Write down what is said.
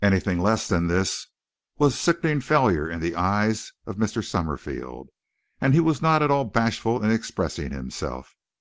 Anything less than this was sickening failure in the eyes of Mr. Summerfield, and he was not at all bashful in expressing himself.